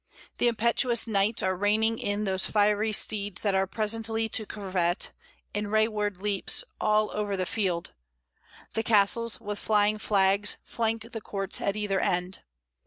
The impetuous knights are reining in those fiery steeds that are presently to curvet, in wayward leaps. lO MRS. DYMOND. all over the field; the castles, with flying flags, flank the courts at either end.